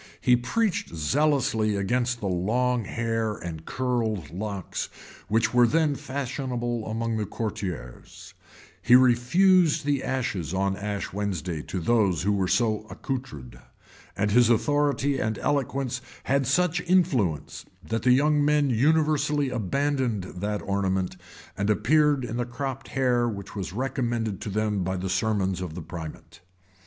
He preached zealously against the long hair and curled locks which were then fashionable among the courtiers; he refused the ashes on Ash Wednesday to those who were so accoutred; and his authority and eloquence had such influence, that the young men universally abandoned that ornament, and appeared in the cropped hair which was recommended to them by the sermons of the primate.